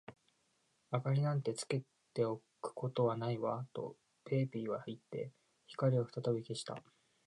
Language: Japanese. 「明りなんかつけておくことはないわ」と、ペーピーはいって、光をふたたび消した。